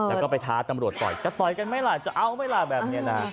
แล้วก็ไปท้าตำรวจต่อยจะต่อยกันไหมล่ะจะเอาไหมล่ะแบบนี้นะ